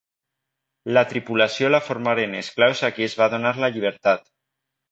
La tripulació la formaren esclaus a qui es va donar la llibertat.